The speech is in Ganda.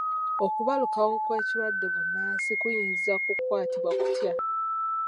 Okubalukawo kw'ekirwadde bbunansi kuyinza kukwatibwa kutya?